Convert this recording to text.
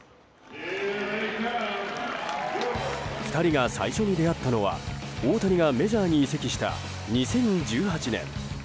２人が最初に出会ったのは大谷がメジャーに移籍した２０１８年。